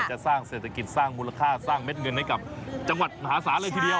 จะสร้างเศรษฐกิจสร้างมูลค่าสร้างเม็ดเงินให้กับจังหวัดมหาศาลเลยทีเดียว